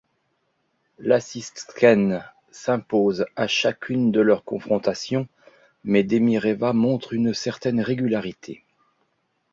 Lasitskene s'impose à chacune de leurs confrontations, mais Demireva montre une certaine régularité.